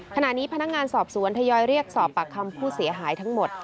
ขณะนี้พนักงานสอบสวนทยอยเรียกสอบปากคำผู้เสียหายทั้งหมด